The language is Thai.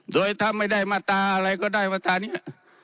โดยถ้าไม่ได้มาตราอะไรก็ได้มาตรานี้